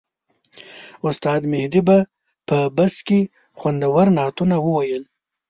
استاد مهدي په بس کې خوندور نعتونه وویل.